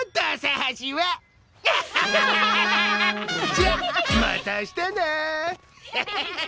じゃまた明日な！